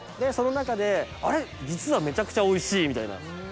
その中で「あれ？実はめちゃくちゃおいしい」みたいな。